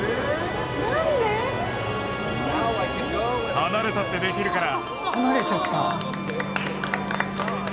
離れたってできるから。